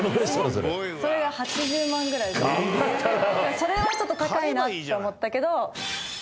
それはちょっと高いなって思ったけど。